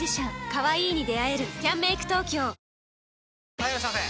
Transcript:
・はいいらっしゃいませ！